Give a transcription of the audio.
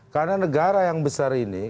karena negara yang besar ini